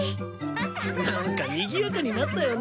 何かにぎやかになったよな。